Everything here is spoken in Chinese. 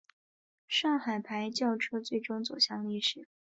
上海牌轿车最终走向历史。